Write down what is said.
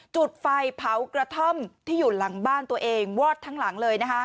จุดไฟเผากระท่อมที่อยู่หลังบ้านตัวเองวอดทั้งหลังเลยนะคะ